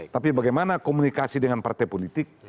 tapi bagaimana komunikasi dengan partai politik